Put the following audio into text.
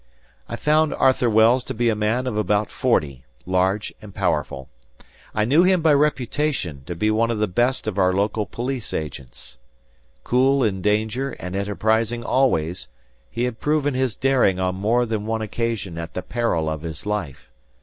I found Arthur Wells to be a man of about forty, large and powerful. I knew him by reputation to be one of the best of our local police agents. Cool in danger and enterprising always, he had proven his daring on more than one occasion at the peril of his life.